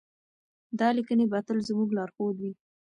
دا لیکنې به تل زموږ لارښود وي.